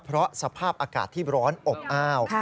เพราะสภาพอากาศที่ร้อนอบอ้าว